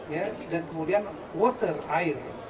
ya dan kemudian water air